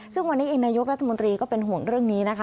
ซึ่งวันนี้เองนายกรัฐมนตรีก็เป็นห่วงเรื่องนี้นะคะ